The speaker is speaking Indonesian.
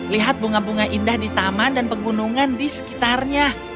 lihat bunga bunga indah di taman dan pegunungan di sekitarnya